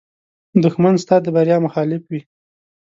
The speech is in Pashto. دښمن ستا د بریا مخالف وي